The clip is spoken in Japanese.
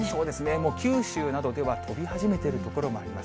もう、九州などでは、飛び始めている所もあります。